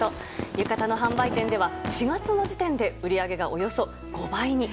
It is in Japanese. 浴衣の販売店では４月の時点で売り上げが、およそ５倍に。